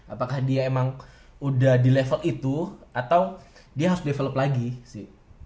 apakah dia emang udah di level itu atau dia harus develop lagi sih